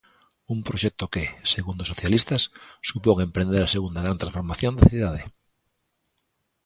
Un proxecto que, segundo os socialistas, supón emprender a segunda gran transformación da cidade.